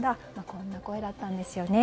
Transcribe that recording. こんな声だったんですよね。